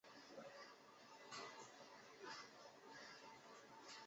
这些权利和自由的行使,无论在任何情形下均不得违背联合国的宗旨和原则。